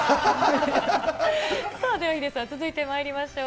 さあ、ではヒデさん、続いてまいりましょう。